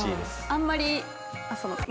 あんまり。